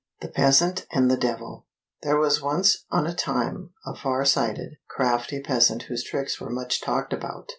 189 The Peasant and the Devil There was once on a time a far sighted, crafty peasant whose tricks were much talked about.